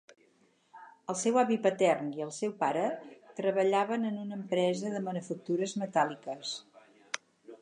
El seu avi patern i el seu pare treballaven en una empresa de manufactures metàl·liques.